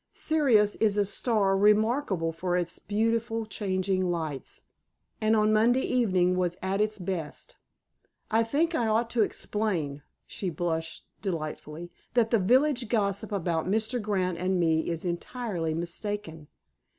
"Sirius is a star remarkable for its beautiful changing lights, and on Monday evening was at its best. I think I ought to explain," and she blushed delightfully, "that the village gossip about Mr. Grant and me is entirely mistaken.